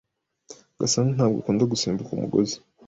Gasana ntabwo akunda gusimbuka umugozi.